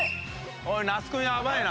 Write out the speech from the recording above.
おい那須君やばいな。